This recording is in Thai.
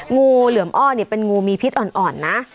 งูเหลือมอ้อเป็นงูมีพิษอ่อนนะ